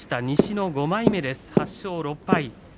西の５枚目です、８勝６敗。